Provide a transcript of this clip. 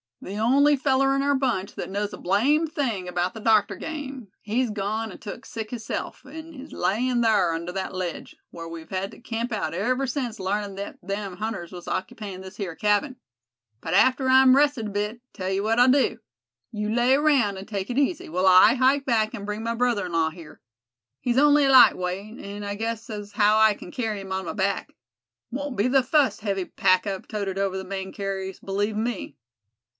"The only feller in our bunch thet knows a blamed thing about the doctor game, he's gone an' took sick hisself, an' is alyin' thar under thet ledge, whar we've hed to camp out ever since larnin' thet them hunters was occupyin' this here cabin. But after I'm rested a bit, tell you what I'll do—you lay around and take it easy, while I hike back and bring my brother in law here. He's on'y a light weight, an' I guess as how I kin kerry him on my back. Won't be the fust heavy pack I've toted over the Maine carries, believe me."